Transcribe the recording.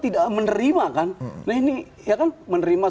tidak menerima kan nah ini ya kan menerima